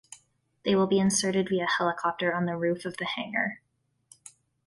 They will be inserted via helicopter on the roof of the hangar.